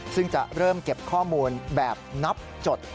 ซึ่งจะเริ่มเก็บข้อมูลแบบนับจด